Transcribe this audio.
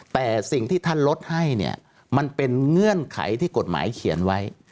แต่สิ่งที่ท่านลดให้เนี่ยมันเป็นเงื่อนไขที่กฎหมายเขียนไว้